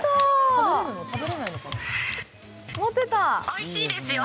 おいしいですよ。